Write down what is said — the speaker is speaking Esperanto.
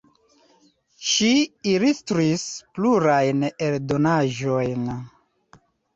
Ŝi ilustris plurajn eldonaĵojn.